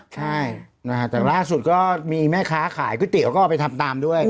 ใช่นะฮะแต่ล่าสุดก็มีแม่ค้าขายก๋วยเตี๋ยวก็เอาไปทำตามด้วย